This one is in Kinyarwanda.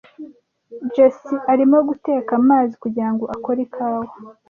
Jessie arimo guteka amazi kugirango akore ikawa.